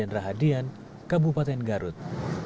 deden rahadian kabupaten garut